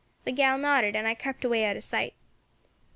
The gal nodded, and I crept away out of sight.